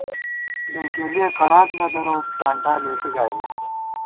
بېکېلِیَہ کڑاک نہ دروت ٹانٹا لېݪی گائیمېت